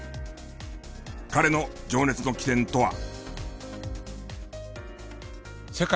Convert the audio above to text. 彼の情熱の起点とは？